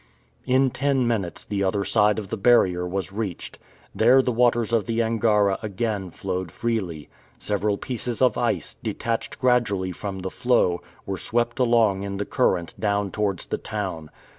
In ten minutes, the other side of the barrier was reached. There the waters of the Angara again flowed freely. Several pieces of ice, detached gradually from the floe, were swept along in the current down towards the town.